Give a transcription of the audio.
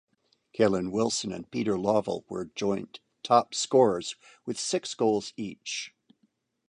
Kellan Wilson and Peter Lovell were joint top scorers with six goals each.